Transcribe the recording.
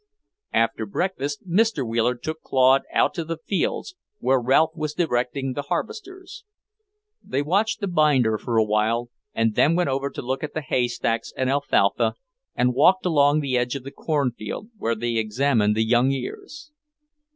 After breakfast Mr. Wheeler took Claude out to the fields, where Ralph was directing the harvesters. They watched the binder for a while, then went over to look at the haystacks and alfalfa, and walked along the edge of the cornfield, where they examined the young ears.